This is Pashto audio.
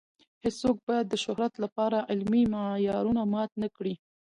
هیڅوک باید د شهرت لپاره علمي معیارونه مات نه کړي.